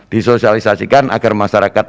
disosialisasikan agar masyarakat